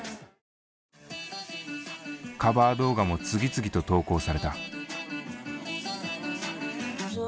カバー動画も次々と投稿された。